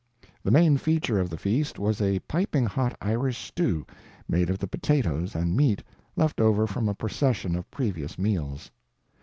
The main feature of the feast was a piping hot Irish stew made of the potatoes and meat left over from a procession of previous meals.